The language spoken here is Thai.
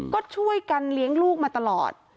ก็ช่วยกันเลี้ยงลูกมาตลอด